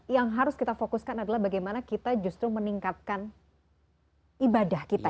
yang harus kita fokuskan adalah bagaimana kita justru meningkatkan ibadah kita